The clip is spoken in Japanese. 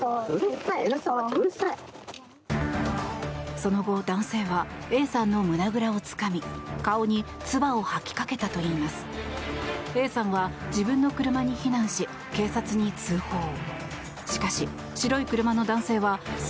その後、男性はＡさんの胸ぐらをつかみ顔につばを吐きかけたといいます。